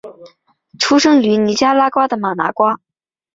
出生于尼加拉瓜的马拿瓜。